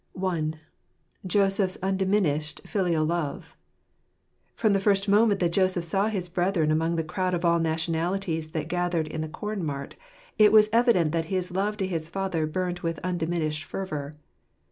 I. Joseph's Undiminished Filial Love. From the first moment that Joseph saw his brethren among the crowd of all nationalities that gathered in the corn mart, it was evident that his love to his father burnt with undiminished fervour.